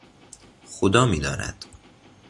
خدا میداند